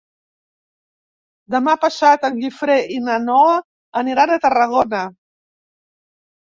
Demà passat en Guifré i na Noa aniran a Tarragona.